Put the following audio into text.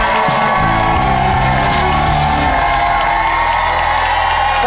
สวัสดีครับ